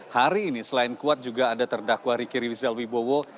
hari ini selain kuat juga ada terdakwa riki rizal wibowo